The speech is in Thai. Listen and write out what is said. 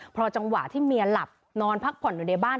พอจังหวะที่เมียหลับนอนพักผ่อนอยู่ในบ้าน